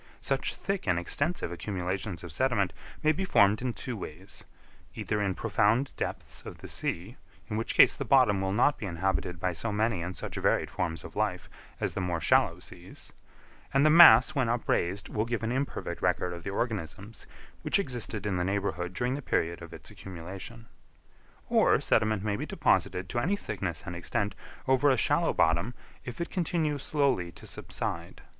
Such thick and extensive accumulations of sediment may be formed in two ways; either in profound depths of the sea, in which case the bottom will not be inhabited by so many and such varied forms of life as the more shallow seas; and the mass when upraised will give an imperfect record of the organisms which existed in the neighbourhood during the period of its accumulation. Or sediment may be deposited to any thickness and extent over a shallow bottom, if it continue slowly to subside.